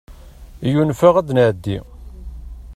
Yunef-aɣ ad nɛeddi.